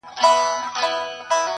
چې زۀ ګل درکووم تۀ بوڅوې شونډې